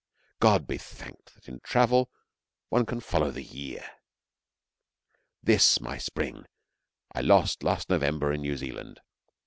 God be thanked that in travel one can follow the year! This, my spring, I lost last November in New Zealand.